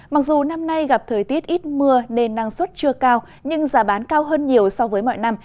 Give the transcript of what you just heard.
mặc dù năm nay gặp thời tiết ít mưa nên năng suất chưa cao nhưng giá bán cao hơn nhiều so với mọi năm